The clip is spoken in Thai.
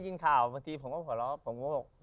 ทุกวันนี้ก็ยังมีอยู่